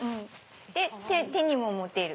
で手にも持てる。